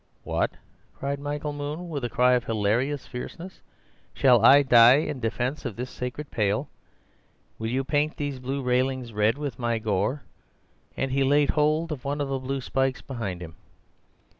"What!" cried Michael Moon, with a cry of hilarious fierceness. "Shall I die in defence of this sacred pale? Will you paint these blue railings red with my gore?" and he laid hold of one of the blue spikes behind him.